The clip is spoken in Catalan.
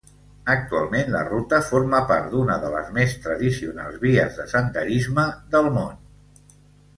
Actualment la ruta forma part d'una de les més tradicionals vies de senderisme del món.